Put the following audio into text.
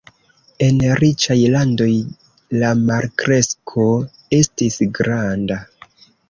En riĉaj landoj la malkresko estis granda.